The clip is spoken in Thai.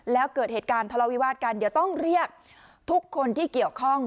แล้วเกิดเหตุการณ์ทะเลาวิวาสกันเดี๋ยวต้องเรียกทุกคนที่เกี่ยวข้อง